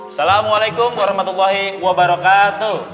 assalamualaikum warahmatullahi wabarakatuh